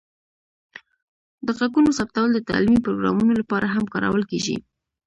د غږونو ثبتول د تعلیمي پروګرامونو لپاره هم کارول کیږي.